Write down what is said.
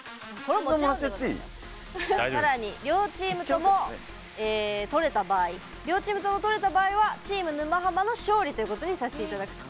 さらに両チームとも取れた場合はチーム沼ハマの勝利ということにさせていただくと。